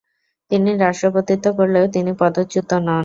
তিনি রাষ্ট্রপতিত্ব করলেও তিনি পদচ্যুত হন।